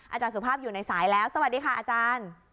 อาจารย์สุภาพอยู่ในสายแล้วสวัสดีค่ะอาจารย์